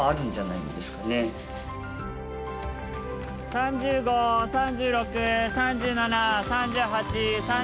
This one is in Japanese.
３５３６３７３８３９。